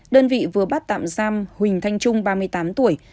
đơn vị vừa bắt tạm giam huỳnh thanh trung ba mươi tám tuổi